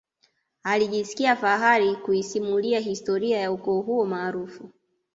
alijisikia fahari kuisimulia historia ya ukoo huo maarufu